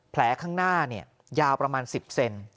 ข้างหน้ายาวประมาณ๑๐เซน